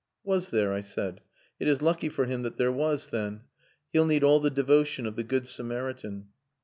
"Was there?" I said. "It is lucky for him that there was, then. He'll need all the devotion of the good Samaritan."